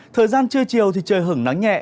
thời gian trưa chiều thì trời hứng nắng nhẹ